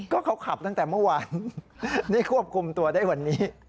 ก็เขาขับตั้งแต่เมื่อวานนี่ควบคุมตัวได้วันนี้